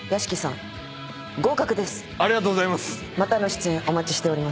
またの出演お待ちしております。